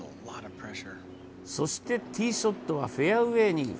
そしてティーショットはフェアウェイに。